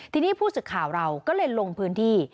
ทีนี้ผู้สื่อข่าวเราก็เลยลงพื้นที่